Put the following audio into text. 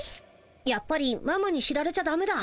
やっぱりママに知られちゃだめだ。